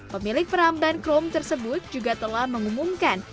pemilik peramban krum tersebut juga telah mengumumkan